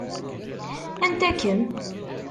Anta-kem?